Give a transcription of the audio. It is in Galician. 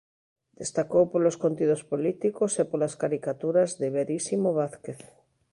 Destacou polos contidos políticos e polas caricaturas de Verísimo Vázquez.